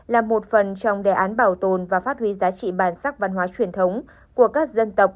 là một phần trong đề án bảo tồn và phát huy giá trị bản sắc văn hóa truyền thống của các dân tộc